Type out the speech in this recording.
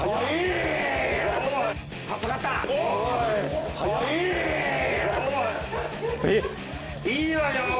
いいわよ。